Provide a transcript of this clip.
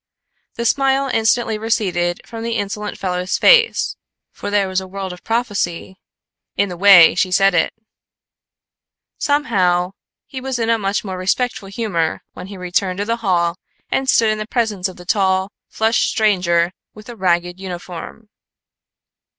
The smile instantly receded from the insolent fellow's face, for there was a world of prophecy in the way she said it. Somehow, he was in a much more respectful humor when he returned to the hall and stood in the presence of the tall, flushed stranger with the ragged uniform.